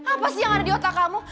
apa sih yang ada di otak kamu